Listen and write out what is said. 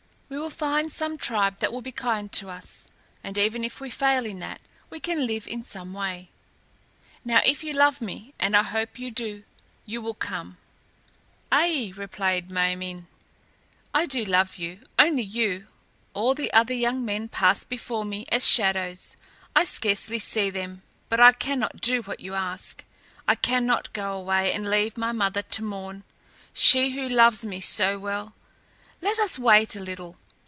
We will find some tribe that will be kind to us, and even if we fail in that we can live in some way. Now, if you love me, and I hope you do, you will come." "Ai," replied Ma min´, "I do love you; only you. All the other young men pass before me as shadows. I scarcely see them, but I cannot do what you ask. I cannot go away and leave my mother to mourn; she who loves me so well. Let us wait a little.